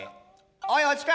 「おいおちか」。